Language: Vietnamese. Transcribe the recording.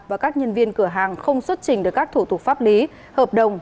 và các nhân viên cửa hàng không xuất trình được các thủ tục pháp lý hợp đồng